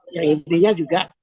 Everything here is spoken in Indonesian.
yang pentingnya juga